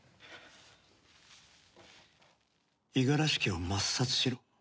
五十嵐家を抹殺しろ。